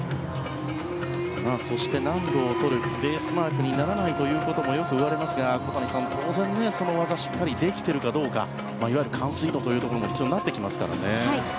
そして難度を取るベースマークにならないということをよく言われますが小谷さん、当然その技がしっかりできているかどうかいわゆる完遂度も大事になってきますね。